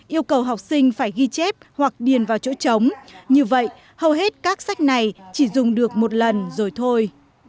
yêu cầu học sinh phải ghi chép hoặc điền vào chỗ trống như vậy hầu hết các sách này chỉ dùng được một lần rồi thôi